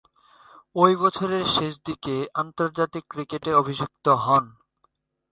ঐ বছরের শেষদিকে আন্তর্জাতিক ক্রিকেটে অভিষিক্ত হন।